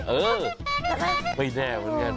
เออไม่แน่เหมือนกัน